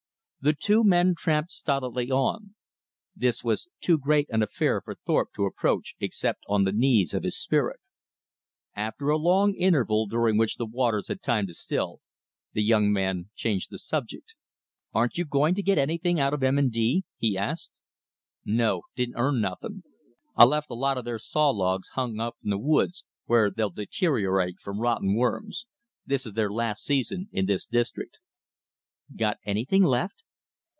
The two men tramped stolidly on. This was too great an affair for Thorpe to approach except on the knees of his spirit. After a long interval, during which the waters had time to still, the young man changed the subject. "Aren't you going to get anything out of M. & D.?" he asked. "No. Didn't earn nothing. I left a lot of their saw logs hung up in the woods, where they'll deteriorate from rot and worms. This is their last season in this district." "Got anything left?"